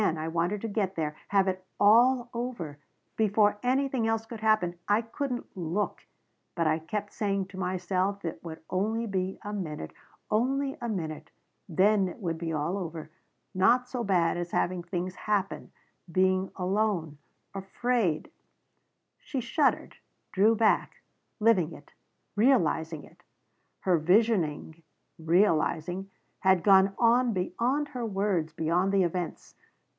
I wanted to get there. Have it all over before anything else could happen. I couldn't look but I kept saying to myself it would only be a minute only a minute then it would be all over not so bad as having things happen being alone afraid " She shuddered drew back living it realizing it. Her visioning realizing had gone on beyond her words, beyond the events.